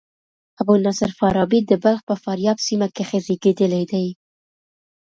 ابو نصر فارابي د بلخ په فاریاب سیمه کښي زېږېدلى دئ.